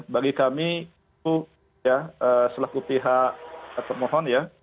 bagi kami itu ya selaku pihak pemohon ya